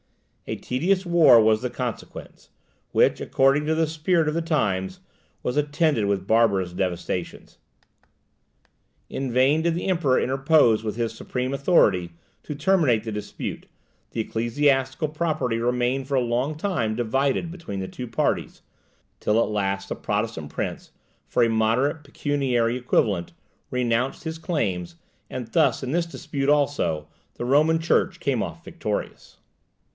A tedious war was the consequence, which, according to the spirit of the times, was attended with barbarous devastations. In vain did the Emperor interpose with his supreme authority to terminate the dispute; the ecclesiastical property remained for a long time divided between the two parties, till at last the Protestant prince, for a moderate pecuniary equivalent, renounced his claims; and thus, in this dispute also, the Roman Church came off victorious.